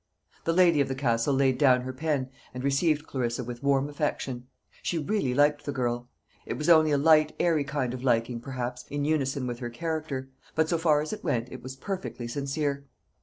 The lady of the Castle laid down her pen, and received Clarissa with warm affection. She really liked the girl. It was only a light airy kind of liking, perhaps, in unison with her character; but, so far as it went, it was perfectly sincere.